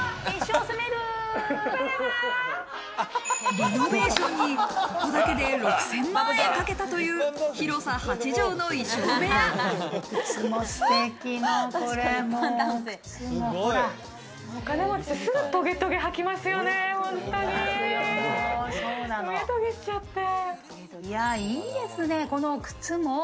リノベーションにここだけで６０００万円かけたという広さ８帖の衣装部屋。